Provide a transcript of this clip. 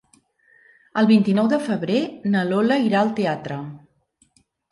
El vint-i-nou de febrer na Lola irà al teatre.